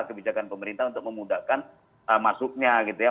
kebijakan pemerintah untuk memudahkan masuknya gitu ya